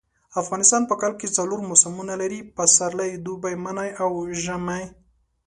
افغانستان په کال کي څلور موسمه لري . پسرلی دوبی منی او ژمی